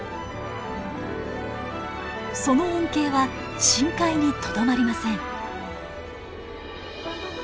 その恩恵は深海にとどまりません。